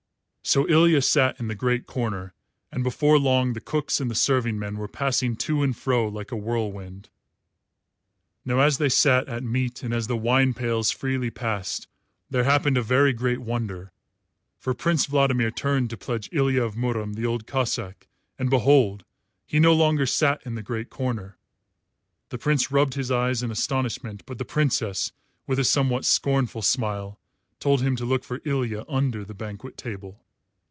So Ilya sat in the great corner, and before long the cooks and the serving men were passing to and fro like a whirlwind. Now, as they sat at meat and as the wine pails freely passed, there happened a very great wonder; for Prince Vladimir turned to pledge Ilya of Murom the Old Cossáck, and behold! he no longer sat in the great corner. The Prince rubbed his eyes in astonishment, but the Princess, with a somewhat scornful smile, told him to look for Ilya under the banquet table.